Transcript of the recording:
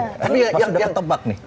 tapi yang tebak nih